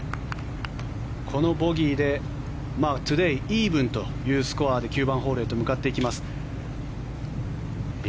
このボギーでトゥデーイーブンというスコアで９番ホールへと向かっていきます。